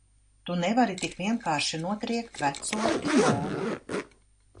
Tu nevari tik vienkārši notriekt veco Timonu!